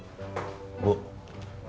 ibu pak bunga duluan ya